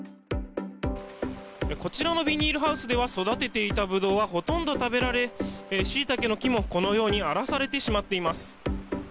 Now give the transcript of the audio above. こちらのビニールハウスでは育てていたブドウはほとんど食べられシイタケの木も、このように荒らされてしまっています。